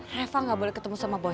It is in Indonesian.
reva nggak boleh ketemu sama boy